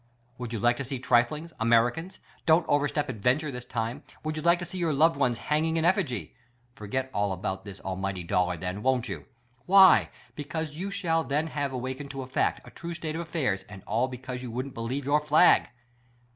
Would you like to see triflings — Americans — don't over step adventure this time^ — 'Would you like to see your loved ones hanging in efligy? Forget al!l about that almighty dollar then, wouldn't you? Why? Be cause you shall then have awakened to a fact, a true state of affairs — and all because you wouldn't believe your flag